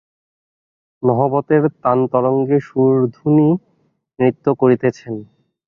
নহবতের তানতরঙ্গে সুরধুনী নৃত্য করিতেছেন।